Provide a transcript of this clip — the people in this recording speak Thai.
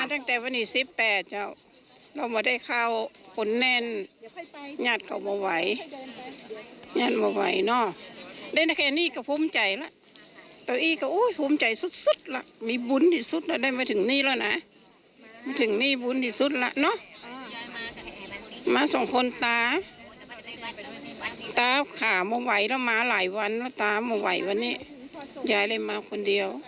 ตาขาไม่ไหวแล้วมาหลายวันแล้วตาไม่ไหววันนี้ย้ายเลยมาคนเดียว